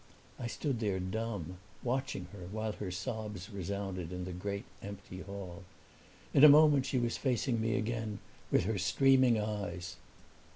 I stood there dumb, watching her while her sobs resounded in the great empty hall. In a moment she was facing me again, with her streaming eyes.